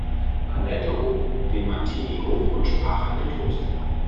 Annette hob den Martini hoch und sprach einen Toast.